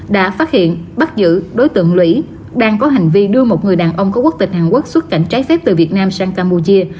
đã phát hiện bắt giữ đối tượng lũy đang có hành vi đưa một người đàn ông có quốc tịch hàn quốc xuất cảnh trái phép từ việt nam sang campuchia